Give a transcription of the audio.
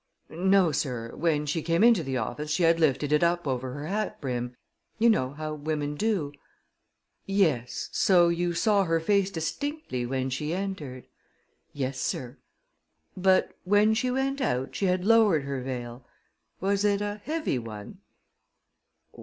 "No, sir; when she came into the office she had lifted it up over her hat brim you know how women do." "Yes so you saw her face distinctly when she entered?" "Yes, sir." "But when she went out, she had lowered her veil. Was it a heavy one?"